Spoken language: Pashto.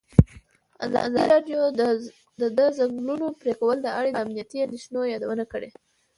ازادي راډیو د د ځنګلونو پرېکول په اړه د امنیتي اندېښنو یادونه کړې.